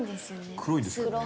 黒いですよね。